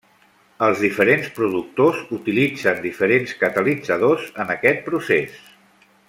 Els diferents productors utilitzen diferents catalitzadors en aquest procés.